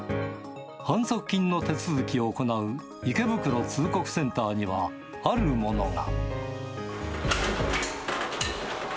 反則金の手続きを行う池袋通告センターには、あるものが。